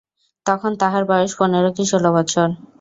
তখন তাঁহার বয়স পনের কি ষোল বছর।